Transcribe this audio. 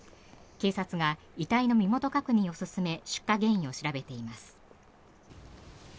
警察が遺体の身元確認を進め出火原因を調べています。